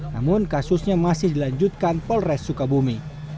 namun kasusnya masih dilanjutkan polres sukabumi